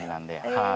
はい。